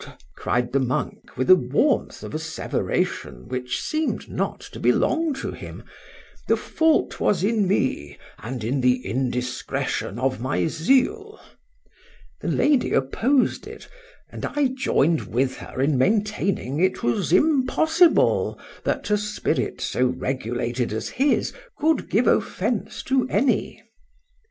cried the monk, with a warmth of asseveration which seem'd not to belong to him—the fault was in me, and in the indiscretion of my zeal.—The lady opposed it, and I joined with her in maintaining it was impossible, that a spirit so regulated as his, could give offence to any.